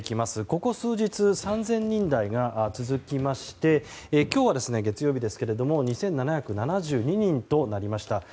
ここ数日、３０００人台が続きまして今日は月曜日ですけども２７７２人となりました。